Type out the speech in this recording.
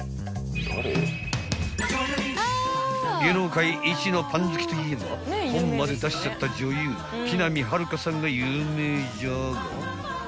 ［芸能界一のパン好きといえば本まで出しちゃった女優木南晴夏さんが有名じゃが］